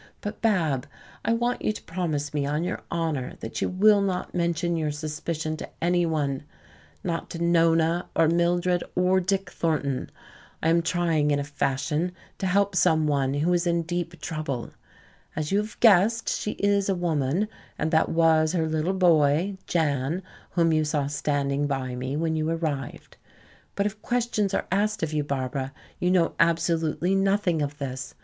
But, Bab, I want you to promise me on your honor that you will not mention your suspicion to any one not to Nona, or Mildred, or Dick Thornton. I am trying in a fashion to help some one who is in deep trouble. As you have guessed, she is a woman, and that was her little boy, Jan, whom you saw standing by me when you arrived. But if questions are asked of you, Barbara, you know absolutely nothing of this.